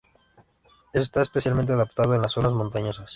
Está especialmente adaptado a las zonas montañosas.